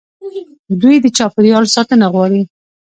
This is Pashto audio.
دوی د چاپیریال ساتنه غواړي.